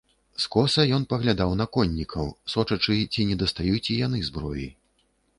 Скоса ён паглядаў на коннікаў, сочачы, ці не дастаюць і яны зброі.